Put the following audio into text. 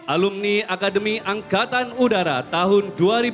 alumni akademi angkatan udara tahun dua ribu empat